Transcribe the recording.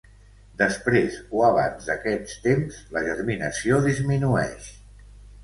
Després o abans d'aquest temps la germinació disminueix.